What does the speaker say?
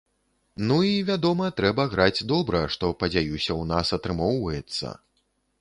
Ну і, вядома, трэба граць добра, што, падзяюся, у нас атрымоўваецца!